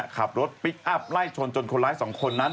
ขับรถพลิกอัพไล่ชนจนคนร้ายสองคนนั้น